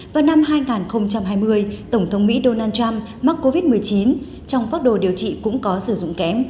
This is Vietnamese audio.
vào năm hai nghìn hai mươi tổng thống mỹ donald trump mắc covid một mươi chín trong phác đồ điều trị cũng có sử dụng kém